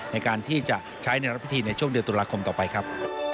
ในการที่จะใช้ในรับพิธีในช่วงเดือนตุลาคมต่อไปครับ